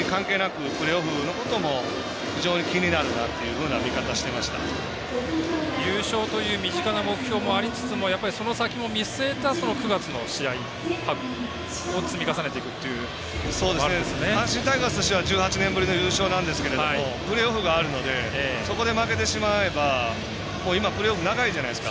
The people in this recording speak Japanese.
順位関係なくプレーオフのことも非常に気になるという優勝という身近な目標もありつつも、その先も見据えた９月の試合を阪神タイガースとしては１８年ぶりの優勝なんですけどプレーオフがあるのでそこで負けてしまえば今プレーオフ長いじゃないですか。